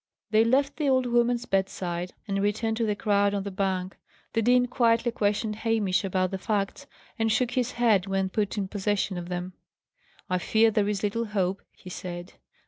They left the old woman's bedside, and returned to the crowd on the bank. The dean quietly questioned Hamish about the facts, and shook his head when put in possession of them. "I fear there is little hope," he said.